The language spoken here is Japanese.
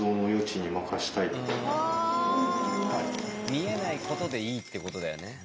見えないことでいいってことだよね。